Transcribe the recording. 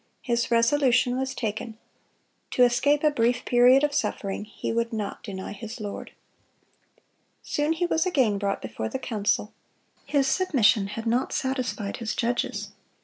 His resolution was taken: to escape a brief period of suffering he would not deny his Lord. Soon he was again brought before the council. His submission had not satisfied his judges.